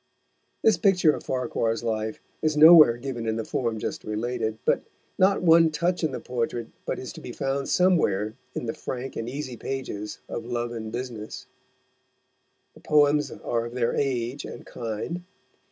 This picture of Farquhar's life is nowhere given in the form just related, but not one touch in the portrait but is to be found somewhere in the frank and easy pages of Love and Business. The poems are of their age and kind.